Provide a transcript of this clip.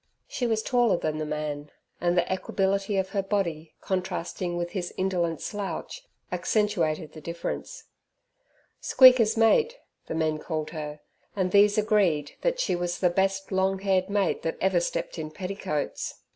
She was taller than the man, and the equability of her body, contrasting with his indolent slouch, accentuated the difference. "Squeaker's mate", the men called her, and these agreed that she was the best long haired mate that ever stepped in petticoats.